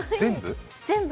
全部。